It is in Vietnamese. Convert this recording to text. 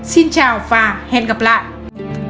xin chào và hẹn gặp lại